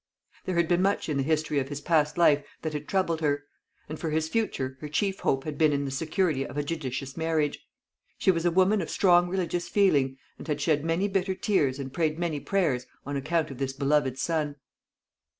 There had been much in the history of his past life that had troubled her; and for his future her chief hope had been in the security of a judicious marriage. She was a woman of strong religious feeling, and had shed many bitter tears and prayed many prayers on account of this beloved son.